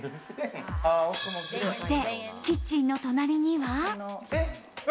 そしてキッチンの隣りには。